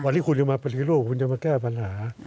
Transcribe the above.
วันนี้คุณจะมาปฏิรูปคุณจะมาแก้ปัญหา